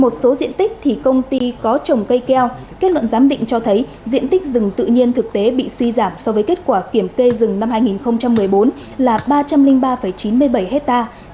một số diện tích thì công ty có trồng cây keo kết luận giám định cho thấy diện tích rừng tự nhiên thực tế bị suy giảm so với kết quả kiểm kê rừng năm hai nghìn một mươi bốn là ba trăm linh ba chín mươi bảy hectare